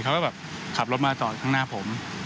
เขาก็แบบขับรถมาจอดข้างหน้าผม